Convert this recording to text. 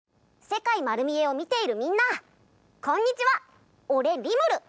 「『世界まる見え！』を見ているみんなこんにちは俺リムル。